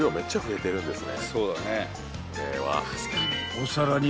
［お皿に］